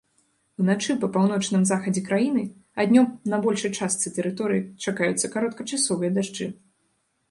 Уначы па паўночным захадзе краіны, а днём на большай частцы тэрыторыі чакаюцца кароткачасовыя дажджы.